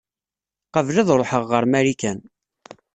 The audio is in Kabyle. Qabel ad ruḥeɣ ɣer Marikan.